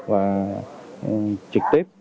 và trực tiếp